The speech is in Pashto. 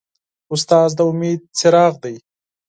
استاد د امید څراغ دی.